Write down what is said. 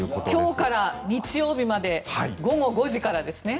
今日から日曜日まで午後５時からですね。